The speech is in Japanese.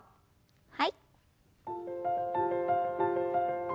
はい。